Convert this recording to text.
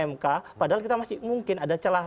mk padahal kita masih mungkin ada celah